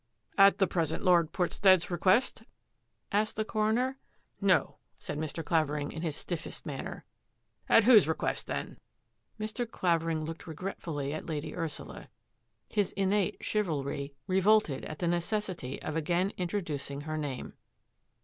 "At the present Lord Portstead's request.?" asked the coroner. " No," said Mr. Claverlng In his stliBfest manner. " At whose request, then? " Mr. Claverlng looked regretfully at Lady Ursula. His Innate chivalry revolted at the ne cessity of again Introducing her name.